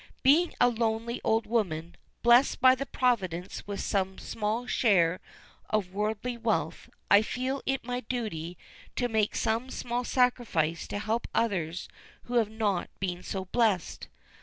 Being a lonely old woman, blessed by Providence with some small share of worldly wealth, I feel it my duty to make some small sacrifice to help others who have not been so blessed.